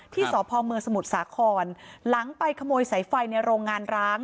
สพเมืองสมุทรสาครหลังไปขโมยสายไฟในโรงงานร้าง